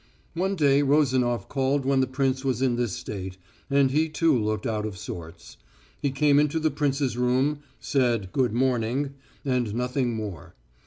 One day Rozanof called when the prince was in this state, and he too looked out of sorts. He came into the prince's room, said "Good morning," and nothing more.